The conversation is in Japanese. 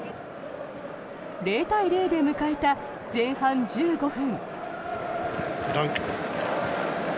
０対０で迎えた前半１５分。